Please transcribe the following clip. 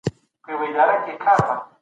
د حکومت پر کړنو څارنه کیده.